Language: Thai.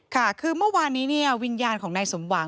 ค่ะคือเมื่อวานนี้วิญญาณของนายสมบัง